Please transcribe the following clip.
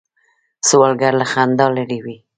سوالګر له خندا لرې وي